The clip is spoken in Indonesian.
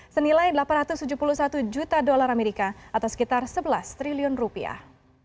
senilai delapan ratus tujuh puluh satu juta dolar amerika atau sekitar sebelas triliun rupiah